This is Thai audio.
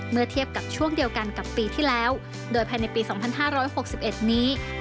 เมื่อเทียบกับช่วงเดียวกันกับปีที่แล้วโดยภายในปี๒๕๖๑นี้